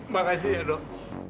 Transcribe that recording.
makasih ya dok